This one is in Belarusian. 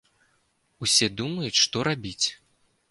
Усе думаюць, што рабіць.